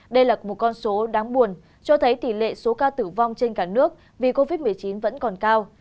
đây là một con số đáng buồn cho thấy tỷ lệ số ca tử vong trên cả nước vì covid một mươi chín vẫn còn cao